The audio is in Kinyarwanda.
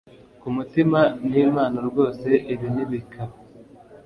kumutima nti mana rwose ibi ntibikabe